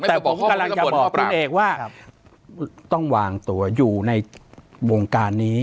ไม่ได้บอกข้อมูลแต่ผมกำลังจะบอกคุณเอกว่าครับต้องวางตัวอยู่ในวงการนี้